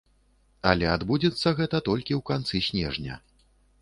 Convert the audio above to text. Але адбудзецца гэта толькі ў канцы снежня.